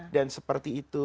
dan seperti itu